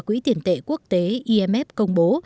quỹ tiền tệ quốc tế công bố